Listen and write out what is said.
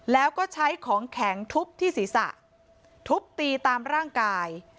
แล้วก็ใช้ของแข็งทุบที่ศีรษะทุบตีตามร่างกาย